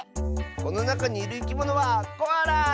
このなかにいるいきものはコアラ！